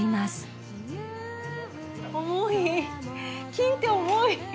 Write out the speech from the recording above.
金って重い。